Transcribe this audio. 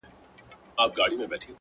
په ورځ کي سل ځلي ځارېدله’